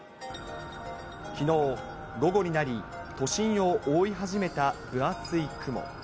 きのう、午後になり、都心を覆い始めた分厚い雲。